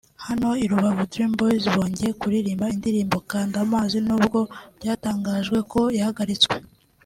Hano i Rubavu Dream Boyz bongeye kurrimba indirimbo "Kanda Amazi" n’ubwo byatangajwe ko yahagaritswe